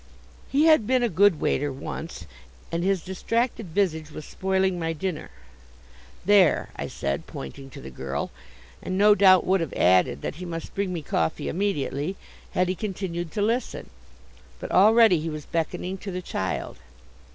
He had been a good waiter once, and his distracted visage was spoiling my dinner. "There," I said, pointing to the girl, and no doubt would have added that he must bring me coffee immediately, had he continued to listen. But already he was beckoning to the child.